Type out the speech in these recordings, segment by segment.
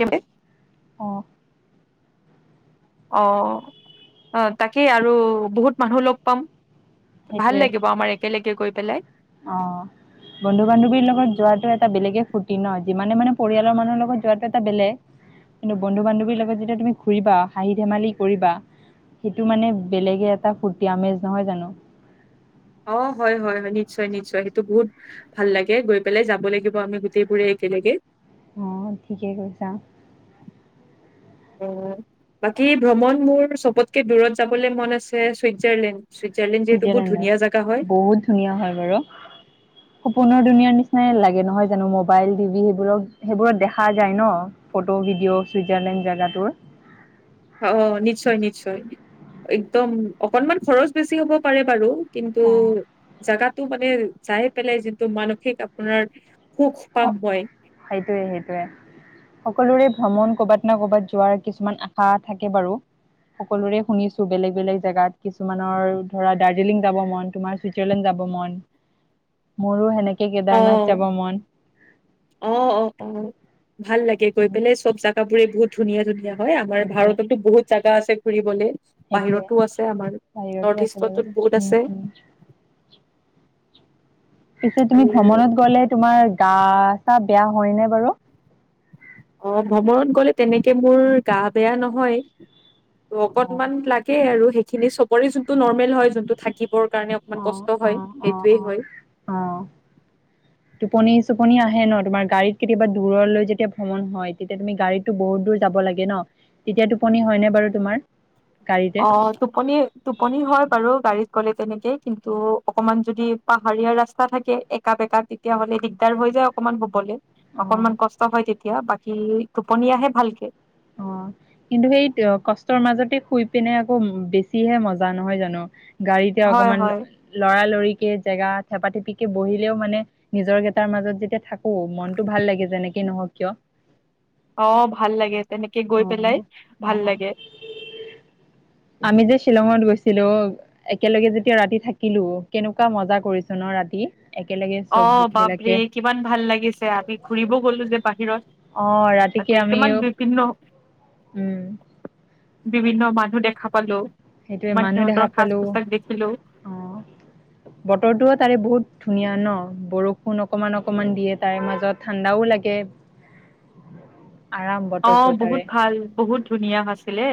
অ অঁহ অ অ তাকেই আৰু বহুত মানুহ লগ পাম ভাল সেইটোৱে লাগিব আমাৰ একেলগে গৈ পেলাই অ বন্ধু বান্ধৱীৰ লগত যোৱাটো এটা বেলেগে ফূুৰ্তি ন যিমানে মানে পৰিয়ালৰ মানুহৰ লগত যোৱাটো এটা বেলেগ কিন্তু বন্ধু বান্ধৱীৰ লগত যেতিয়া তুমি ঘূৰিবা হাঁহি ধেমালি কৰিবা সেইটো মানে বেলেগে এটা ফূুৰ্তি আমেজ নহয় জানো অ হয় হয় হয় নিশ্চয় নিশ্চয় সেইটো বহুত ভাল লাগে গৈ পেলাই যাব লাগিব আমি গোটেইবোৰে একেলগে অঁ ঠিকেই কৈছা অ বাকী ভ্ৰমণ মোৰ চবতকে দূৰত যাবলৈ মন আছে চুইজাৰলেণ্ড চুইজাৰলেণ্ড যিহেতু বহুত চুইজাৰলেণ্ডৰ ধুনীয়া জেগা হয় বহুত ধুনীয়া হয় বাৰু সপোনৰ দুনীয়া নিচিনাই লাগে নহয় জানো মোবাইল টিভি সেইবোৰক সেইবোৰত দেখা যায় ন ফটো ভিডিঅ' চুইজাৰলেণ্ড জাগাতোৰ অ নিশ্চয় নিশ্চয় একদম অকনমান খৰচ বেছি হ'ব পাৰে বাৰু কিন্তু অ', জাগাত টো মানে যাই পেলাই যিটো মানসিক আপোনাৰ সুখ পাম হয়ই সেইটোয়ে সেইটোয়ে সকলোৰে ভ্ৰমণ কৰবাত ন কৰ'বাত যোৱাৰ কিছুমান আশা থাকে বাৰু সকলোৰে শুনিছো বেলেগ বেলেগ জোগাত কিছুমানৰ ধৰা দাৰ্জিলিং যাব মন তোমাৰ চুইজাৰলেণ্ড যাব মন মোৰো সেনেকে কে অ কেদাৰনাথ যাব মন অ অ অ ভাল লাগে গৈ উম, পেলাই চব জাগা পুৰে বহত ধুনীয়া ধুনীয়া হয় আমাৰ সেইটোৱে ভাৰতো বহুত জাগা আছে ঘুৰিবলে সেইটোৱে বাহিৰতো আছে আমাৰ বাহিৰতো নৰ্থ আছে বাৰু ইষ্টত বহুত উম আছে উম পিছে তুমি আৰু ভ্ৰমণত গ'লে তোমাৰ গা চা বেয়া হয় ন বাৰু অ ভ্ৰমণত গ'লে তেনেকে মোৰ গা বেয়া নহয় অ অকনমান লাগে আৰু সেইখিনি চবৰে যোনটো নৰ্মেল হয় যোনটো থাকিব ৰব কাৰণে অকমান অ কষ্ট অ হয় অ সেইটোৱেই অ হয় অ টোপনি আহে ন তোমাৰ গাড়ীত কেতিয়াবা দূৰলৈ যেতিয়া ভ্ৰমণ হয় তেতিয়া তুমি গাড়ীতো বহুত দূৰ যাব লাগে ন তেতিয়া টোপনি হয় নে বাৰু তোমাৰ গাড়ীতে অ', টোপনি, টোপনি হয়, বাৰু গাড়ীত গ'লে, তেনেকে কিন্তু অকণমান যদি পাহাৰীয়া ৰাস্তা থাকে, একা বেঁকা তেতিয়া হ'লে দিগদাৰ হৈ যায় অকনমান শুবলে অ অকনমান কষ্ট হয়, তেতিয়া বাক কি, টোপনি আহে ভালকে। অ', কিন্তু সেইটোৱে কষ্টৰ মাজতে শুই পিনে আকৌ বেছিহে মজা নহয় জানো? গাড়ীতে হয় অকমান হয় লৰালৰিকে জেগাত থেপা, থেপিকে বহিলেও মানে নিজৰ গেটাৰ মাজত যেতিয়া থাক কো, মনতো ভাল লাগে যেনেকে নহওঁক কিয় অ', ভাল লাগে। তেনেকে অ গৈ পেলাই, ভাল অ লাগে। আমি যে শ্বিলঙত গৈছিলোঁ, একেলগে যেতিয়া ৰাতি থাকিলোঁ, কেনেকুৱা মজা কৰিছোঁ ন' ৰাতি? একেলগে চব অ', বাপৰে বিলাকে কিমান ভাল লাগিছে আমি ঘুৰিব গ'লো যে, বাহিৰত অ ৰাতিকে তাতে আমি কিমান বিভিন্ন উম। বিভিন্ন মানুহ দেখা পালোঁ। সেইটোৱে মানুহ দেখা পালোঁ, অ', বতৰটোও তাৰে বহুত ধুনীয়া ন বৰষুণ অকমান, অকমান দিয়ে তাৰ মাজত ঠাণ্ডায়ো লাগে। আৰাম বতৰটো অ', বহুত তাৰে ভাল। বহুত ধুনীয়া আছিলে।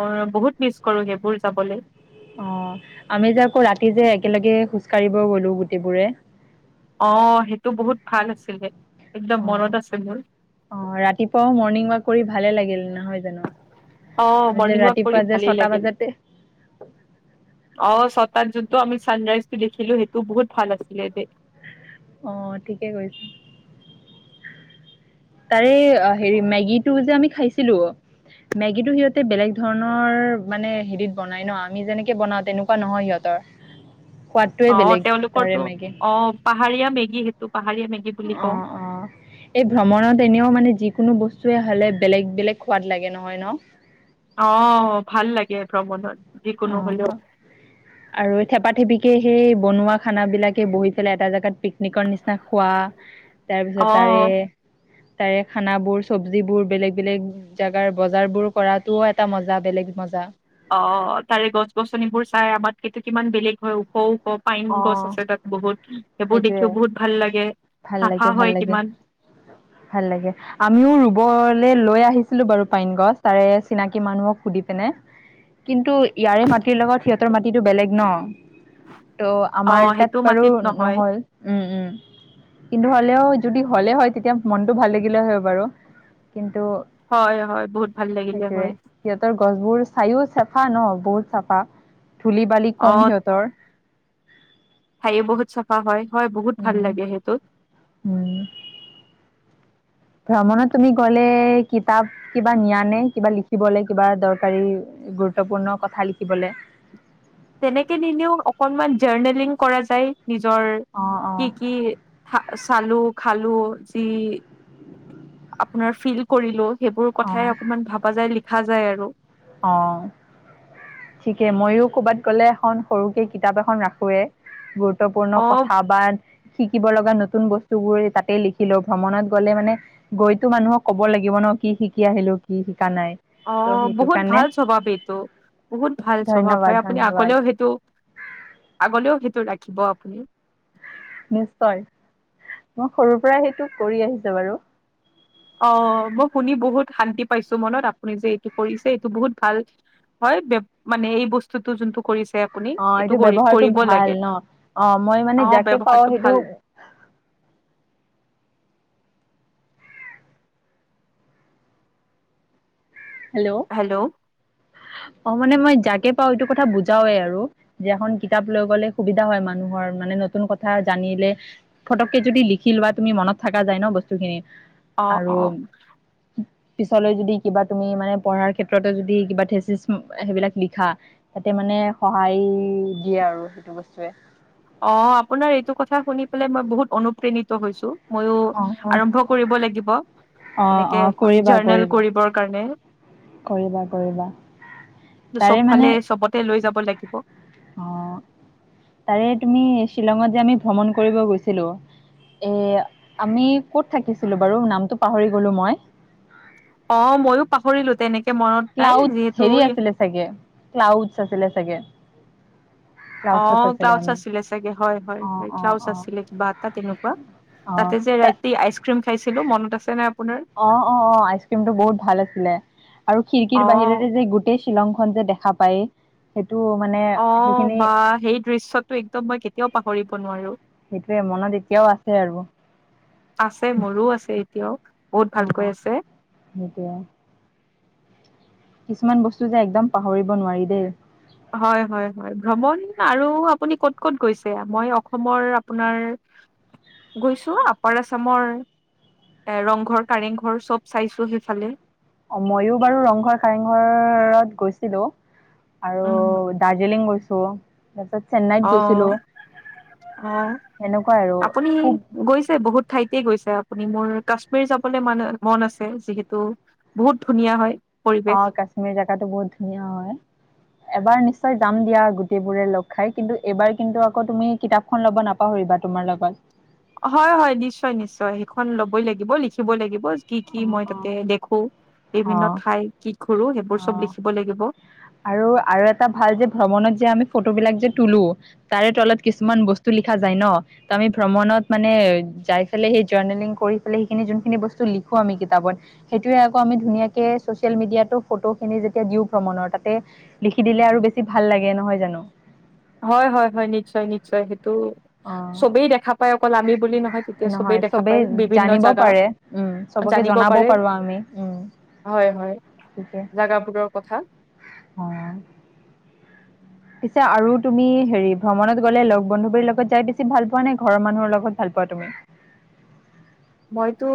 অ', বহুত মিছ কৰো সেইবোৰ যাবলে। অ', আমি যে আকৌ ৰাতি যে একেলগে খোজকঢ়িব গলো গোটেবোৰে। অ', সেইটো বহুত ভাল আছিলে। একদম মনত অ', আছে মোৰ। অ', ৰাতিপুৱাও মৰ্নিং ৱাক কৰি ভালে লাগিল নহয় জানো? অ' আমি যে মৰ্ণিং ৱাক কৰি ৰাতিপুৱা যে ভালেই ছটা লাগিল। বজাতে অ', ছটাত জোনটো আমি ছানৰাইজটো দেখিলো সেইটো বহুত ভাল আছিলে দেই। অ', ঠিকে কৈছা। তাৰে অ', হেৰি মেগী টো যে আমি খাইছ ছিলো। মেগীটো সিহঁতে বেলেগ ধৰণৰ মানে, হেৰিত বনাই ন আমি যেনেকে বনাওঁ তেনেকুৱা নহয় সিহঁতৰ। সোৱাদটোৱে অ', বেলেগ তাৰে তেওঁলোকৰটো, মেগী অ', পাহাৰীয়া মেগী সেইটো। পাহাৰীয়া মেগী বুলি অ', কওঁ। অ', এই ভ্ৰমণত এনেও মানে যি কোনো বস্তুৱে হ'লে বেলেগ বেলেগ সোৱাদ লাগে নহয় ন? অ', ভাল লাগে ভ্ৰমণত। যিকোনো হলেও অ', আৰু থেপা থেপি [unintelligible] সেই বনোৱা খানা বিলাকে বহিছিলে এটা জাগাত পিকনিকৰ নিচিনা খোৱা, তাৰপিছত তাৰে অ' তাৰে খানাবোৰ, চবজিবোৰ, বেলেগ বেলেগ জাগাৰ বজাৰবোৰ কৰাতো এটা মজা, বেলেগ মজা। অ', তাৰে গছ-গছনিবোৰ চাই আমাতকেটো কিমান বেলেগ হয়, উখওঁ। অ', সেইবোৰ সেইটোয়ে দেখিও বহুত ভাল লাগে ভাল চাফা লাগে, ভাল হয় লাগে, কিমান ভাল লাগে, আমিও ৰুবলে লৈ আহি সুধিছিলোঁ বাৰু পাইন গছ তাৰে চিনাকি মানুহক সুধি পিনে, কিন্তু ইয়াৰে মাটিৰ লগত সিহঁতৰ মাটিটো বেলেগ ন। তো আমাৰ অ' তাত সেইটো বাৰু মাটিত নহয়। নহ'ল উম, উম। কিন্তু হ'লেও যদি হ'লেই হয়। তেতিয়া মনটো ভাল লাগিলে হয় বাৰু। কিন্তু হয়, হয়। বহুত ভাল লাগিলে হয়। ঠাইও চাফা ন বহুত চাফা। ধূলি-বালি কম সিহঁতৰ। ঠায়ো বহুত চাফা হয়। হয় বহুত ভাল উম লাগে হেইটোত। উম। ভ্ৰমণত তুমি গ'লে কিতাপ কিবা নিয়া নে? কিবা লিখিবলৈ কিবা দৰকাৰী গুৰুত্বপূৰ্ণ কথা লিখিবলৈ। তেনেকে নিলেও। অকনমান জাৰ্নেলিং কৰা যায়। নিজৰ অ অ কি কি ঠা চালোঁ, খালোঁ যি আপোনাৰ ফিল কৰিলোঁ। সেইবোৰ অ কথাই অকমান ভাবা যায় লি দেখা যায় আৰু, অ ঠিকে মইও কৰবাত গ'লে এখন সৰুকে কিতাপ এখন ৰাখোৱে গুৰুত্ গুৰুত্বপূৰ্ণ অ কথাবাদ। শিকিব লগা নতুন বস্তু বোৰ তাতে লিখিলো ভ্ৰমণত গ'লে মানে গৈতো মানুহক ক'ব লাগিব ন কি শিকি আহিলো কি শিক কা নাই অ ত সেইটো, বহুত কাৰণে ভাল স্বভাৱ এইটো বহুত ভাল স্বভাৱ ধন্যবাদ হয় আপুনি ধন্যবাদ আগলেও সেইটো আগলেও সেইটো ৰাখিব আপুনি। নিশ্চয় মই সৰুৰ পৰা সেইটো কৰি আহিছো বাৰু। অ মই শুনি বহুত শান্তি পাইছো মনত, আপুনি যে এইটো কৰিছে, এইটো বহুত ভাল হয়। মানে এই বস্তুটো যোনটো, কৰিছে আপুনি অ এইটো কৰি ব্যৱহাৰটো কৰিব লাগে ভাল ন। অ মই মানে অ', যাকে পাওঁ ব্যৱহাৰটো সেইটো, ভাল। হেল্ল' অ মানে মই যাকে পাওঁ এইটো কথা বুজাৱে আৰু যে এখন কিতাপ লৈ গ'লে সুবিধা হয়। মানুহৰ মানে নতুন কথা জানিলে ফটককে যদি লিখি লোৱা। তুমি মনত থকা যায় ন বস্তুখিনি, অ', আৰু, অ', পিছলৈ যদি কিবা? তুমি মানে পঢ়াৰ ক্ষেত্ৰতে যদি কিবা থেচিচ সেইবিলাক লিখা তাতে মানে সহায় দিয়ে আৰু সেইটো বস্তুৱে। অ আপোনাৰ এইটো কথা শুনি পেলাই মই বহুত অনুপ্ৰেণিত হৈছো। ময়ো অ অ আৰম্ভ কৰিব লাগিব। অ', এনেকে অ', এখন কৰিবা, জাৰ্নেল কৰিবা, কৰিবৰ কাৰণে। কৰিবা, কৰিবা তাৰে চব মানে ফালে চবতে লৈ যাব লাগিব। অ তাৰে তুমি শ্বিলঙত যে আমি ভ্ৰমণ কৰিব গৈছিলো, এ আমি কত থাকিছিলো বাৰু? নামটো পাহৰি গলো মই। অ ময়ো পাহৰিলো তেনে ক্লাউড হেৰি আছিলে চাগে, ক্লাউডছ আছিলে চাগে। অ ক্লাউডছত আছিলো ক্লাউছ আমি আছিলে চাগে হয় হয় অ', হয় অ', ক্লাউচ অ', আছিলে কিবা এটা তেনেকুৱা অ', তাতে যে তা ৰাতি আইচ ক্ৰীম খাইছিলো মনত আছে নে আপোনাৰ? অ অ অ আইচক্ৰীমটো বহুত ভাল আছিলে আৰু খিৰিকীৰ অ', বাহিৰেৰে যে গোটেই শ্বিলং খন যে দেখা পায়। সেই অ বাঃ সেই দৃশ্যটো একদম মই কেতিয়াও পাহৰি ব নোৱাৰো। সেইটোৱে মনত এতিয়াও আছে আৰু আছে মোৰো আছে এতিয়াও বহুত অ ভালকৈ অ আছে সেইটোয়ে। কিছুমান বস্তু যে একদম পাহৰিব নোৱাৰি দেই। হয় হয় হয় ভ্ৰমণ আৰু আপুনি ক'ত ক'ত গৈছে? মই অসমৰ আপোনাৰ গৈছো আপাৰ আছামৰ এ ৰংঘৰ, কাৰেংঘৰ চব চাইছো সেইফালে। অ মইও বাৰু ৰংঘৰ কাৰেংঘৰত গৈছিলো। আৰু উম দাৰ্জিলিং গৈছো। ছো। অ অ সেনেকুৱাই আৰু আপুনি খুব গৈছে বহুত ঠাইত। গৈছে আপুনি মোৰ কাশ্মীৰ যাবলৈ মান মন আছে, যিহেতু বহুত ধুনীয়া হয়। অ পৰিৱেশ কাশ্মীৰ জেগাতটো বহুত ধুনীয়া হয় এবাৰ নি নিশ্চয় যাম দিয়া গোটেইবোৰে লগ খাই কিন্তু এইবাৰ কিন্তু আকৌ তুমি কিতাপখন ল'ব নাপাহৰিবা তোমাৰ লগত। হয় হয় নিশ্চয় নিশ্চয় সেইখন লবই লাগিব লিখিব লাগিব। কি কি অ মই অ তাতে দেখো অ বিভিন্ন ঠাই কি ঘুৰো সেইবোৰ অ চব লিখিব লাগিব আৰু আৰু এটা ভাল যে ভ্ৰমণত যে আমি ফটোবিলাক যে তুলো তাৰে তলত কিছুমান বস্তু লিখা যায় ন ত আমি ভ্ৰমণত মানে যাই পেল সেই জাৰ্নেলিং কৰিবিলাই সেইখিনি যোনখিনি বস্তু লি লিখো আমি কিতাপত সেইটোৱে আকৌ আমি ধুনীয়াকে চচিয়েল মিডিয়াতো ফটো খিনি যেতিয়া দিওঁ ভ্ৰমণৰ তাতে লিখি দিলে আৰু বেছি ভাল লাগে নহয় জানো। হয় হয় হয় নিশ্চয় নিশ্চয় সেই ত' অ চবেই দেখা পায় অকল আমি বুলি নহয় তেতিয়া নহয় দেখা চবেই পায় বিভিন্ন জানিব জাগা পাৰে উম চবকে জানিব জনাব পাৰে পাৰো আমি উম হয় হয় তাকে জাগাবোৰৰ কথা অ পিছে আৰু তুমি হেৰি ভ্ৰমণত গ'লে লগ বন্ধুবীৰ লগত যাই বেছি ভাল পোৱা নে ঘৰৰ মানুহৰ লগত ভাল পোৱা তুমি। মইতো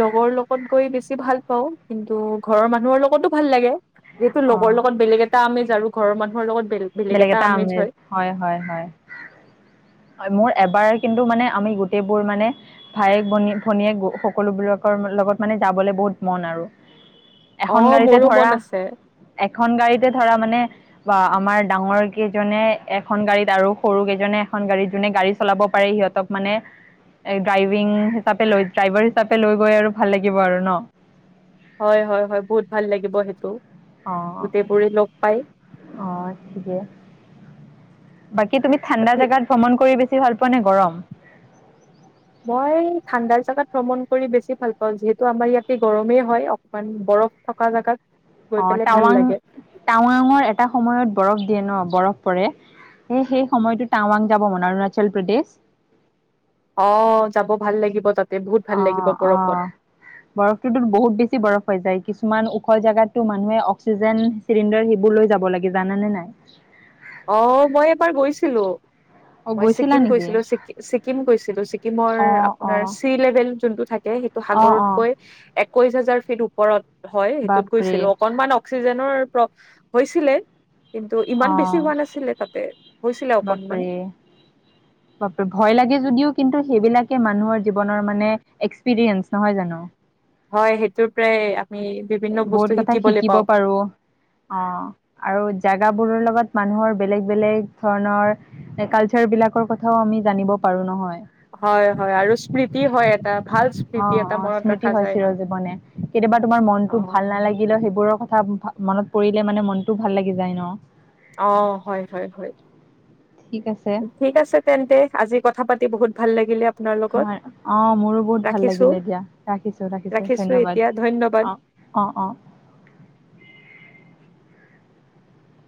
লগৰ লগত গৈ বেছি ভাল পাওঁ কিন্তু ঘৰৰ মানুহৰ লগতো ভাল লাগে। যিহেতু অ', লগৰ লগত বেলেগ এটা ‌আমেজ আৰু ঘৰৰ মানুহ লগত বেলেগ এটা আমেজ হয় হয় হয় হয় মোৰ এবাৰ কিন্তু মানে আমি গোটেইবোৰ মানে ভায়েক ভনী ভনীয়েক সকলোবিলাকৰ লগত মানে যাবলৈ বহুত মন আৰু অ এখন গাড়ীতে মোৰো মন ধৰা আছে এখন গাড়ীতে ধৰা মানে বা আমাৰ ডাঙৰ কেইজনে এখন গাড়ীত আৰু সৰু কেইজনে এখন গাড়ীত যোনে গাড়ী চলাব পাৰে সিহঁতক মানে ড্ৰাইভিং হিচাপে লৈ ড্ৰাইভাৰ হিচাপে লৈ গৈ আৰু ভাল লাগিব আৰু ন হয় হয় হয় বহুত ভাল লাগিব সেইটো অ', গোটেই বোৰে লগ পাই অ ঠিকে বাকী তুমি ঠাণ্ডা ঠিক জাগাত ভ্ৰমণ কৰি বেছি [unintelligible] ভাল পোৱা নে গৰম? মই ঠাণ্ডাৰ জোগাত ভ্ৰমণ কৰি বেছি ভাল পাওঁ, যিহেতু আমাৰ ইয়াতে গৰমেই হয়, অকমান বৰফ থকা জাগাত- গৈ অ পেলাই ভাল টাৱাং লাগে টাৱাঙৰ এটা সময়ত বৰফ দিয়ে ন- বৰফ পৰে স সেই সময়টো টাৱাং যাব মানে অৰুণাচল প্ৰদেশ। অ যাব ভাল লাগিব তাত- অ অ বৰফটোতটো বহুত বেছি বৰফ হৈ যায় কিছু- কিছুমান ওখ জাগাতটো মানুহে অক্সিজেন চিলিণ্ডাৰ সেইবোৰ লৈ যাব লাগে জানে নাই? অ মই এবাৰ গৈছিলো, অ মই গৈছিলা ছিকিম নেকি গৈছিলো ছিকিম গৈছিলো- ছিকিম ৰ অ অ আপোনাৰ চি-লেবেল যোনটো থাকে সেইটো অ অ সাগৰতকৈ এ- একৈছ হাজাৰ ফিট ওপৰত- হয় সেইটোত বাপৰে গৈছিলো, অকনমান অক্সিজেনৰ- প্ৰ হৈছিলে। কিন্তু ইমান অ বেছি- হোৱা নাছিলে তাতে হৈছিলে অকনমান বাপৰে, বাপৰে ভয় লাগে যদিও কিন্তু- সেইবিলাকে মানুহৰ জীৱনৰ মানে এক্সপিৰিয়েঞ্চ নহয় জানো। হয় সেইটো প্ৰায়- বহুত কথা শিকিব পাৰো অ, আৰু জেগাবোৰৰ লগ- ত মানুহৰ বেলেগ বেলেগ ধৰণৰ কালচাৰ বিলাকৰ কথাও আমি জানিব পাৰো নহয়। হয় হয়, আৰু স্মৃতি হয় এটা ভাল অ স্মৃতি এটা অ মনত স্মৃতি ৰখা হয় যায়। চিৰ জীৱনে কেতিয়াবা তোমাৰ মনটো অ ভাল নালাগিলে সেইবোৰ আক- মনত পৰিলে মানে মনটো ভাল লাগি যায় ন। অ হয়, হয়, হয় ঠিক আছে ঠিক আছে তেন্তে আজি কথা পাতি- বহুত ভাল লাগিলে। আপোনাৰ লগত অ মোৰো বহুত ভাল ৰাখিছো লাগিলে দিয়া ৰাখিছো ৰাখিছো ধন্যবাদ এতিয়া ধন্যবাদ। অ অ অ।